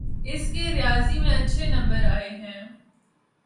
اس کے ریاضی میں اچھے نمبر آئے ہیں